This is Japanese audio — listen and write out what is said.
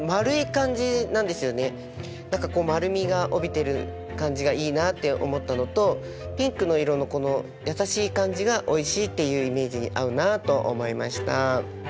何かこう丸みが帯びてる感じがいいなって思ったのとピンクの色のこの優しい感じが「おいしい」っていうイメージに合うなと思いました。